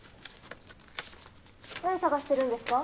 何探してるんですか？